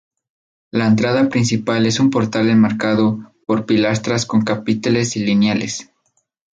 La entrada principal es un portal enmarcado por pilastras con capiteles lineales.